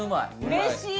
うれしい！